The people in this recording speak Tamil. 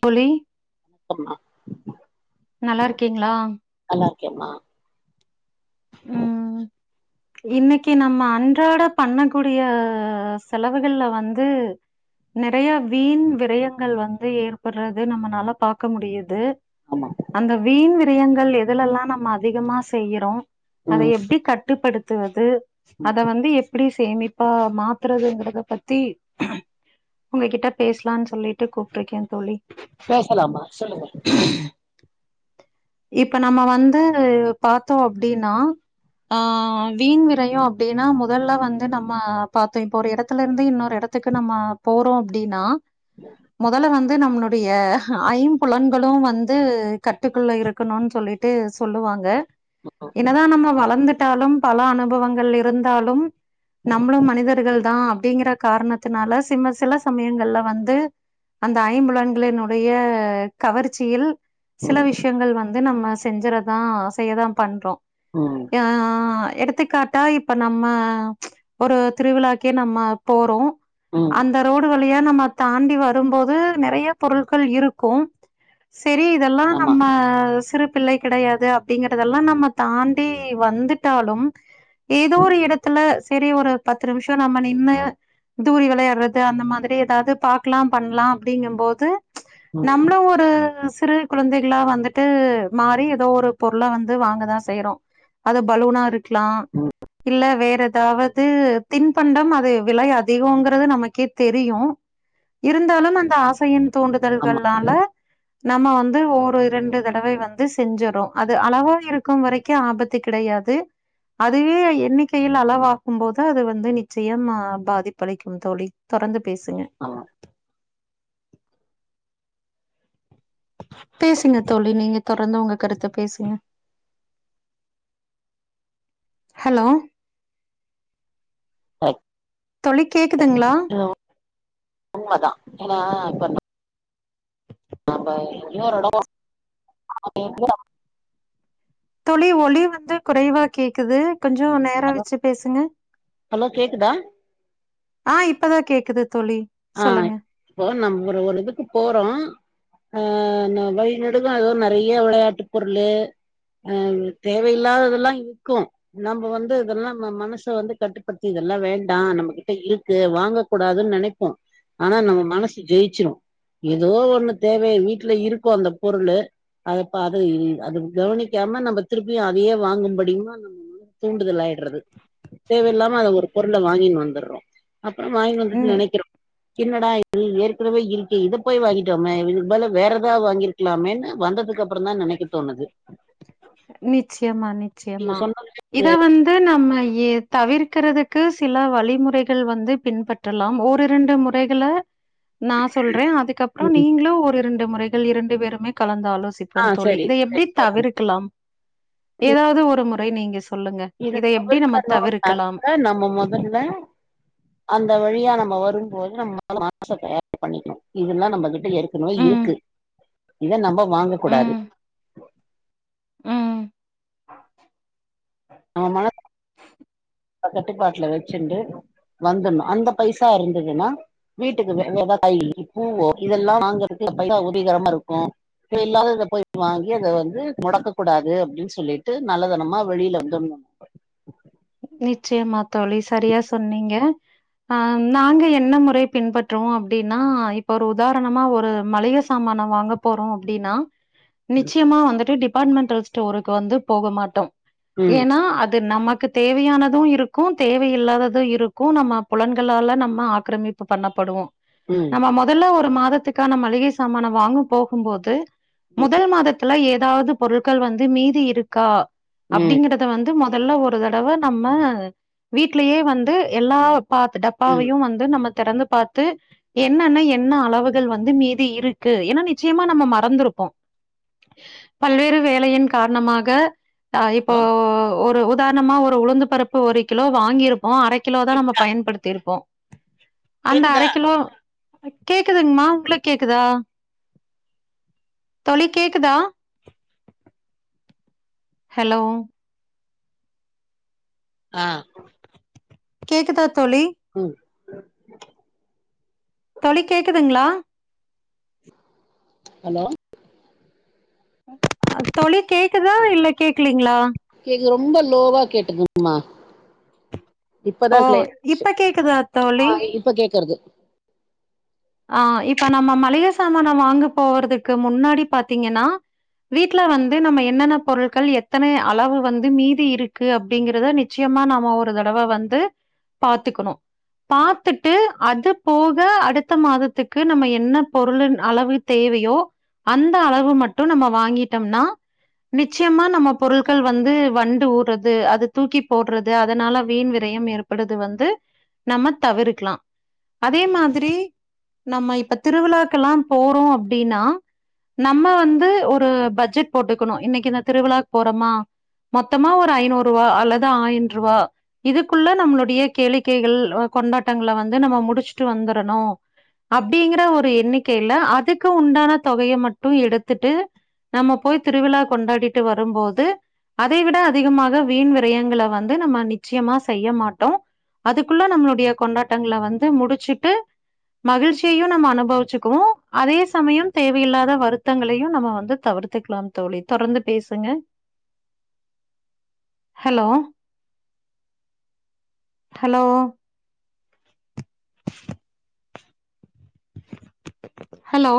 தோழி ஆமா நல்லாருக்கீங்களா நல்லாருக்கேமா உஹம் இன்னைக்கு நம்ம அன்றாட பண்ணக்கூடிய செலவுகள்ல வந்து நிறைய வீண் விரயங்கள் வந்து ஏற்படுறது நம்மனால பாாரக்க முடியுது ஆமா அந்த வீண் வி விரயங்கள் எதுல எல்லாம் நம்ம அதிகமா செய்யிறோம் அதை ம் எப்படி கட் கட்டுப்படுத்துவது ம் அத வந்து எப் இப்படி சேமிப்பா மாத்துறதுங்கறத பத்தி உங்ககிட்ட பேசலான்னு சொல்லிட்டு கூப்பிட்டுருக்கேன் தோழி பேசலாமா சொல்லுங்க இப்ப நம்ம வந்து பார்த்தோம் அப்படின்னா ஆஹ் வீண் விரையும் அப்படின்னா முதல்ல வந்து நம்ம பார்த்தோம் இப்ப ஒரு இடத்துல இருந்து இன்னொரு இடத்துக்கு நம்ம போறோம் அப்படின்னா முதல்ல வந்து வந்து நம்மமுடைய ஐம்புலன்களும் வந்து கற்றுக்கொள்ள இரு இருக்கணும்னு சொல்லிட்டு சொல்லுவாங்க என்னதான் நம்ம வளர்ந்து வலந்துட்டாலும் பல அனுபவங்கள் இருந்தாலும் நம்மளும் மனிதர்கள் தான் அப்படிங்கிற காரணத்தினால சிம சில சமயங்கள்ல வந்து அந்த ஐம்புலன்களினுடைய கவர்ச்சியில் சில ம் விஷயங்கள் வந்து வந்து நம்ம செஞ்சறதான் செய்யதான் பண்றோம் ம் ஆஹ் எடுத் எடுத்துக்காட்டா இப்ப நம்ம ச் ஒரு திருவிழாக்கே நம்ம போறோம் ம் அந்த ரோடு வழி யா நம்ம தாண்டி வரும்போது நெறையா பொருட்கள் இருக்கும் சரி இதெல்லாம் ஆமா நம்ம பிள்ளை கெடையாது அப்படிங்கறதெல்லாம் நம்ம தாண்டி வந்துட்டாலும் ஏதோ ம் ஒரு இடத்துல சரி ஒரு பத்து நிமிஷோ நம்ம நின்னு தூரி விளையாடுறது அந்த மாதிரி ஏதாவது பாக்கலாம் பண்லாம் அப்டிங்கும் போது ச் ம் நம்மளும் ஒரு சிறு குழந்தைகளா வந்துட்டு மாறி ஏதோ ஒரு பொருள வந்து வாங்கதான் செய்யறோம் அது பலூனா இருக் லாம் ம் இல்ல வே ற ஏதாவது தின்பண்டம் அது விலை அதிகம்ங்கிறது நமக்கே தெரியும் இருந்தாலும் அந்த ஆசையின் ஆமா தூண்டுதல்கள்னால நம்ம வந்து ஒரு இரண்டு தடவை வந் து செஞ்சரோம் அது அளவா இருக்கும் வரைக்கும் ஆபத்து கிடையாது. அதுவே எண்ணிக்கையில் அளவாகும் போது அது வந்து நிச்சயம் பாதிப்பளிக்கும் தோழி தொடர்ந்து பேசுங்க ஆமா பேசுங்க தோழி நீங்க தொடர்ந்து உங்க கருத்த பேசுங்க. ஹலோ அ தோழி கேக்குதுங்களா? உண்மதான் அப்ப அப்பண்ணா அப்ப இன்னோரு எடம் [inaudible] தோழி ஒலி வந்து குறைவா கேக்குது. கொஞ்சோ நேரா வச்சு பேசுங்க ஹலோ கேக்குதா ஆஹ் இப் இப்பதான் கேக்குது. தோழி. ஆஹ் சொல்லுங்க. இப்போ நம்ம ஒரு இதுக்கு போறோம் ஆஹ் வழிநெடுக அதுவும் நெறைய விளையாட்டு பொருளு அஹ் தேவையில்லாததெல்லாம் இருக்கு நம்ம வந்து இதெல்லாம் மனச வந்து கட்டுப்படுத்தி இதெல்லாம் வேண்டாம் நம்மகிட்ட இருக்கு வாங்கக் கூடாதுன்னு நெனைப் போ ஆனா நம்ம மனசு ஜெயிச்சிறும் ஏதோ ஒண்ணு தேவை வீட்ல இருக்கும் அந்த பொருளு அதைப்ப அது அது கவனிக்காம நம்ம திருப்பியும் அதையே வாங்கும்படியமா நம்ம மனசு தூண்டுதல் ஆயிடுறது தேவையில்லாம அத ஒரு பொருளை வாங்கின்னு வந்தற்றோம். அப்புறம் வாங்கி ம். வந்துட்டு நெனைக்கறோம் என்னடா இது ஏற்கனவே இருக்கே இத போய் வாங்கிட்டோமே இதுக்கு பதிலா வேற எதா வாங்கிருக்கலாமேன்னு வந்ததுக்கு அப்புறம் தான் நெனைக்க தோணுது. நிச்சயமா நீங்க நிச்சயமா இத வந்து நம்ம எ தவிர் க்கறதுக்கு சில வழிமுறைகள் வந்து பின்பற்றலாம் ஓ இரண்டு முறைகள நான் சொல்றேன் அதுக்கப்புறம் சொன்னது நீங்களும் ஒரு இரண்டு முறைகள் இரண்டு பேருமே கலந்து ஆ ஆலோசிப்போம் தோழி சரி இத எப்டி சரி சொல்லுங்க. தவிர்கலாம் இ ஏதாவது ஒரு முறை நீங்க சொல்லுங்க. இத எப்படி நம்ம தவிர்க்கலாம்? தவிர்க்கணும்னாக்க நம்ம முதல்ல அந்த வழியா நம்ம வரும் போது நம்ம [unintelligible] பண்ணிக்கணும் இதெல்லாம் நம்மகிட்ட ஏற்கனவே ம், இருக்கு. இத நம்ம வாங்க கூடாது. ம், ம். நம்ம மன கட்டுப்பாட்டுல வச்சுண்டு வந்துணும் அந்த பைசா இருந்ததுன்னா வீட்டுக்கு எதா காய் பூவோ இதெல்லாம் வாங்கறக்குல பைசா உரிகரமா இருக்கும். இல்லாதத போய் வாங்கி அத வந்து முடக்க கூடாது அப்படின்னு சொல்லிட்டு நல்லதனமா வெளியில தருனு நிச்சயமா தோழி சரியா சொன்னீங்க. அஹ் நாங்க என்ன முறை பின்பற்றுவோம் அப்படின்னா இப்ப ஒரு உதாரணமா ஒரு மளிகை சாமானம் வாங்க போறோம் அப்படின்னா நிச்சயமா வந்துட்டு டிபார்ட்மென்ண்டல் ஸ்டோருக்கு வந்து போக மாட்டோம். ம் ஏன்னா அது நமக் தேவையானதும் இருக்கும் தேவையில்லாததும் இருக்கும் நம்ம புலன்களால நம்ம ஆக்கிரமிப்பு பண்ணப்படுவோம். ம் நம்ம முதல்ல ஒரு மாத த்துக்கான மளிகை சாமான வாங்க போகும்போது முதல் மாதத்துல எது அதாவது பொருட்கள் வந்து மீதி இருக்கா ம் அப்டிங்கறத வந்து மொ தல்ல ஒரு ரு தடவே நம்ம வீட்லயே வந்து எல்லா பாத்து ம் டப்பாவையு வந்து நம்ம தெறந்து பாத்து என்னன்ன என்ன அளவுகள் வந்து மீது இருக்கு ஏன்னா நிச்சயமா நம்ம மறந்துருப்போ பல்வேறு வேலையின் கார்ணமாக ஆ இப்போ ஹலோ ஓ ஒரு உ தார்ணம்மா ஒரு உளுந்து பருப்பு ஒரு கிலோ வாங்கியிரு போ அரே கிலோ தா நம்ம கேக்குதா பயன்படுத்தியிருப்போ அந்த கேக்குதா அரே கிலோ கேக்குதுங்கமா உங்களுக் கேக்குதா தோழி கேக்குதா ஹலோ ஆ கேக்குதத் உம் தோழி கேக்குதுங்ளா ஹலோ அ தோழி கேக்குதா இல்ல கேக்லீங்ளா இங்க ரொம்ப லோவா கேட்டுதும்மா ஓ இப்ப கேக்குதா தோழி ஆ இப்ப கேக்குறது ஆ இப்ப நம்ம மளிக சாமான வாங்க போறதுக்கு முன்னாடி பாத்தீங்கன்னா வீட்ல வந்து நம்ம என்னென்ன பொருட்கள் எத்தனை அளவு வந்து மீதி இருக்கு அப்டிங்குறத நிச்சயமா நம்ம ஒரு தடவை வந்து பாத்துக்குணு பாத்துட்டு அது போக அடு த்த மாதத்துக்கு நம்ம என்ன பொருளுன் அளவு தேவயோ அந்த அளவு மட்டு நம்ம வாங்கிட்டோம்னா நிச்சயமா நம்ம பொருட்கள் வந்து வண்டு ஊடுறது அது தூக்கி போடுறது அதனால வீண் விரயம் ஏற்படுது வந்து நம்ம தவிர்க்குலா அதே மாதிரி நம்ம இப்ப திருவிழாக்கல்லா போறோ அப்டின்னா நம்ம வந்து ஒரு பட்ஜெட் போட்டுக்குணு இன்னைக்கு இந்த திருவிழாக்கு போறோமா மொத்தமா ஒரு ஐநூறு ரூபா அல்லது ஆயின் ரூபா இதுக்குள்ள நம்ளுடைய கேளிக்கைகள் கொண்டாட்டங்கள வந்து நம்ம முடிச்சுட்டு வந்துரனு அப்டிங்கிற ஒரு எண்ணிக்கைல அதுக்கு உண்டான தொகைய மட்டு எடுத்துட்டு நம்ம போய் திருவிழா கொண்டாடிட்டு வரும்போது அதை விட அதிகமாக வீண் விரயங்களே வந்து நம்ம நிச்சயமா செய்ய மாட்டோ அதுக்குள்ள நம்மளுடைய கொண்டாட்டங்ள வந்து முடிச்சுட்டு மகிழ்ச்சியையு நம்ம அனுபவிச்சுக்குவோ அதே சமயம் தேவையில்லாத வருத்தங்களையு நம்ம வந்து தவிர்த்துக்லா தோழி தொடர்ந்து பேசுங்க ஹலோ ஹலோ ஹலோ